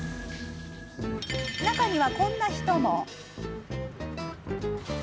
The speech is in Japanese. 中には、こんな人も。